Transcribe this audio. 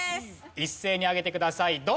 一斉に上げてください。